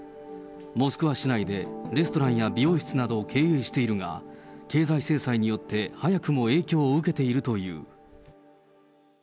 モスクワ市内でレストランや美容室などを経営しているが、経済制裁によって、早くも影響を受けているという。